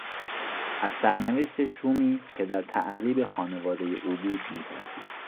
از سرنوشت شومی که در تعقیب خانوادهی او بود میترسید.